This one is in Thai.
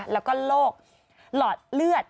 แล้วก็โรคหลอดเลือด